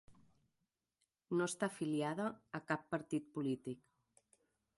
No està afiliada a cap partit polític.